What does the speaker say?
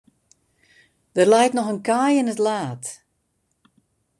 Der leit noch in kaai yn it laad.